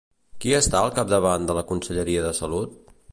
Qui està al capdavant de la conselleria de Salut?